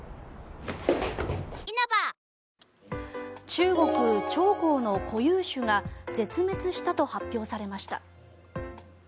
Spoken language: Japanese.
中国・長江の固有種が絶滅したと発表されました。